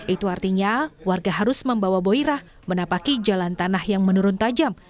itu artinya warga harus membawa boirah menapaki jalan tanah yang menurun tajam